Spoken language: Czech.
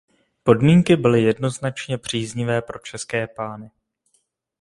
Podmínky byly jednoznačně příznivé pro české pány.